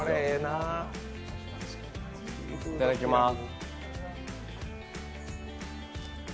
いただきまーす。